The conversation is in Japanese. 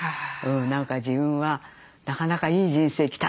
何か自分はなかなかいい人生来たなと思って。